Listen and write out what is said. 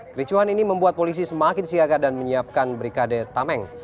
kericuhan ini membuat polisi semakin siaga dan menyiapkan brikade tameng